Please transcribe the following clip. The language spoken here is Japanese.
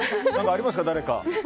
ありますか、誰か？